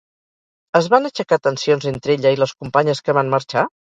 Es van aixecar tensions entre ella i les companyes que van marxar?